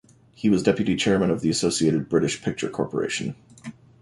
He was deputy chairman of the Associated British Picture Corporation.